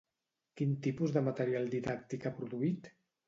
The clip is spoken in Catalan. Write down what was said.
Quin tipus de material didàctic ha produït?